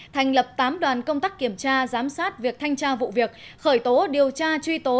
thành lập tám đoàn công tác kiểm tra giám sát việc thanh tra vụ việc khởi tố điều tra truy tố